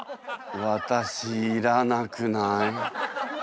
私いらなくない？